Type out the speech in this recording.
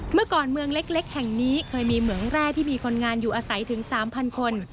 เมื่อก่อนเมืองเล็กแห่งนี้เคยมีเหมืองแร่ที่มีคนงานอยู่อาศัยถึง๓๐๐คน